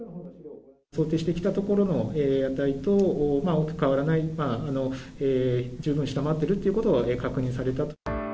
想定してきたところの値と、大きく変わらない、十分下回っているということを確認されたと。